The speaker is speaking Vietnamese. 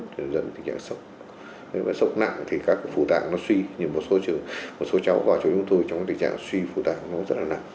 thì dân tình trạng sốc sốc nặng thì các phủ tạng nó suy như một số cháu vào chỗ chúng tôi trong tình trạng suy phủ tạng nó rất là nặng